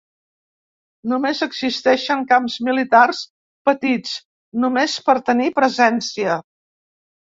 Només existeixen camps militars petits, només per tenir presència.